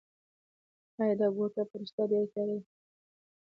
ایا دا کوټه په رښتیا ډېره تیاره ده؟